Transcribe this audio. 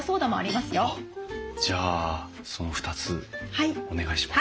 じゃあその２つお願いします。